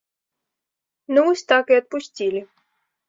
Ну вось так і адпусцілі.